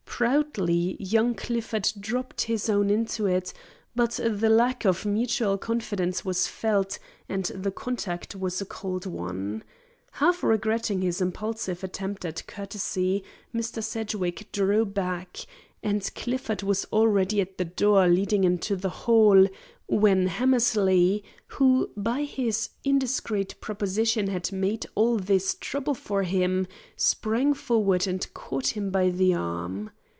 Proudly young Clifford dropped his own into it; but the lack of mutual confidence was felt and the contact was a cold one. Half regretting his impulsive attempt at courtesy, Mr. Sedgwick drew back, and Clifford was already at the door leading into the hall, when Hammersley, who by his indiscreet proposition had made all this trouble for him, sprang forward and caught him by the arm.